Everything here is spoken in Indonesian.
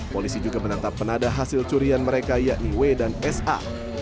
polisi juga menangkap penada hasil curian mereka yakni w dan sa